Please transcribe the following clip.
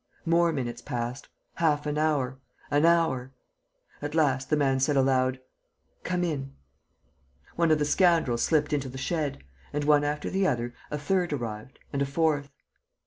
More minutes passed, half an hour, an hour. ... At last, the man said aloud: "Come in." One of the scoundrels slipped into the shed; and, one after the other, a third arrived and a fourth.